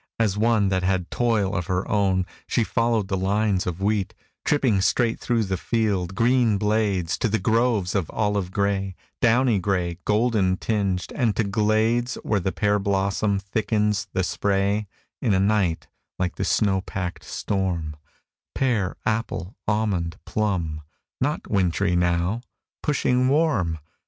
As one that had toil of her own She followed the lines of wheat Tripping straight through the field, green blades, To the groves of olive gray, Downy gray, golden tinged; and to glades Where the pear blossom thickens the spray In a night, like the snow packed storm; Pear, apple, almond, plum; Not wintry now; pushing warm.